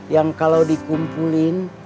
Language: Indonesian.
yang kalau dikumpulin